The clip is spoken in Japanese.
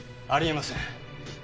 あり得ません。